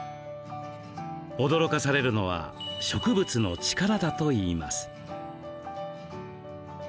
驚かされるのは植物の力だといいます。